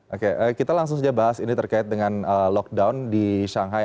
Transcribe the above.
oke kita langsung saja bahas ini terkait dengan lockdown di shanghai